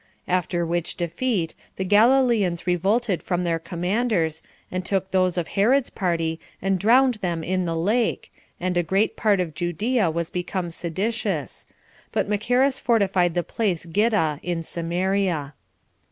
After which defeat, the Galileans revolted from their commanders, and took those of Herod's party, and drowned them in the lake, and a great part of Judea was become seditious; but Macheras fortified the place Gitta [in Samaria].